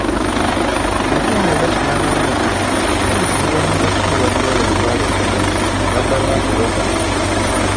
Mu lukumi mu lwenda kinaana mu ebiri kyali kizibu omuntu okufiirwa ddoola emitwalo etaano n'addamu okuloka.